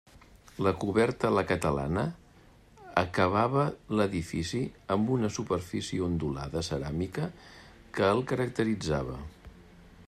La coberta a la catalana acabava l'edifici amb una superfície ondulada ceràmica que el caracteritzava.